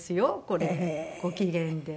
これご機嫌で。